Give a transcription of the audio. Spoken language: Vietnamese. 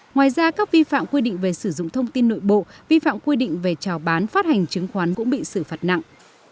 ngoài ra các vi phạm quy định về sử dụng thông tin nội bộ vi phạm quy định về trào bán phát hành chứng khoán cũng bị xử phạt nặng